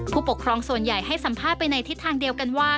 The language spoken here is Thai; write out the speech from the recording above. ผู้ปกครองส่วนใหญ่ให้สัมภาษณ์ไปในทิศทางเดียวกันว่า